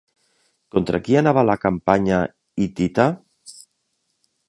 Contra qui anava la campanya hitita?